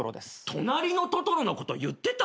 『となりのトトロ』のこと言ってた？